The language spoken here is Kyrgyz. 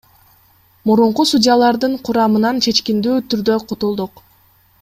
Мурунку судьялардын курамынан чечкиндүү түрдө кутулдук.